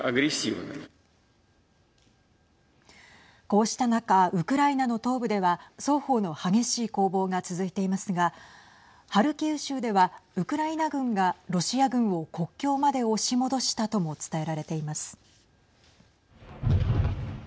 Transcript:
こうした中ウクライナの東部では双方の激しい攻防が続いていますがハルキウ州では、ウクライナ軍がロシア軍を国境まで押し戻したとも伝えられています。